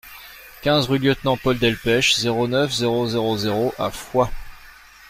quinze rue Lieutenant Paul Delpech, zéro neuf, zéro zéro zéro à Foix